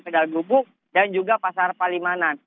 pedal gubuk dan juga pasar palimanan